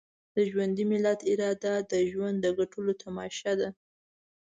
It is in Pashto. د ژوندي ملت اراده د ژوند د ګټلو تماشه ده.